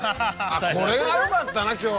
これがよかったな今日。